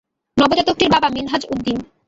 নবজাতকটির বাবা মিনহাজ উদ্দিন।